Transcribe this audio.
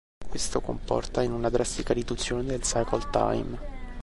Questo comporta in una drastica riduzione del cycle time.